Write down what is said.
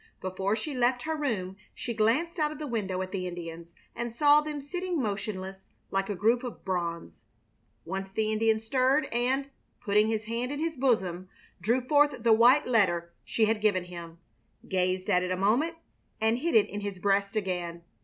Before she left her room she glanced out of the window at the Indians, and saw them sitting motionless, like a group of bronze. Once the Indian stirred and, putting his hand in his bosom, drew forth the white letter she had given him, gazed at it a moment, and hid it in his breast again.